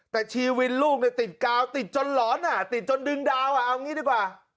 แต่ชีวิตลูกติดกาวติดจนหลอนติดจนดึงดาวเอางี้ดีกว่า